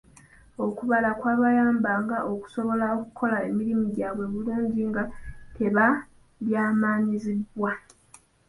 Okubala kwabayambanga okusobola okukola emirimu gyabwe obulungi nga tebalyazamaanyizibwa.